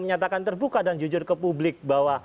menyatakan terbuka dan jujur ke publik bahwa